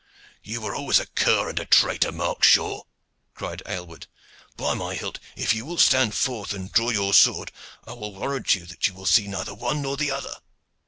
"You were always a cur and a traitor, Mark Shaw," cried Aylward. "By my hilt! if you will stand forth and draw your sword I will warrant you that you will see neither one nor the other."